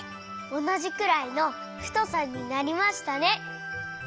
おなじくらいのふとさになりましたね。